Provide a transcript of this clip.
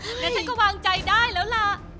อ่าฮ่าแล้วฉันก็วางใจได้แล้วล่ะ